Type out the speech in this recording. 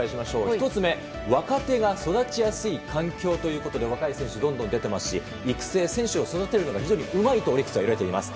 １つ目、若手が育ちやすい環境ということで若い選手どんどん出ていますし育成、選手を育てるのが非常にうまいといわれています。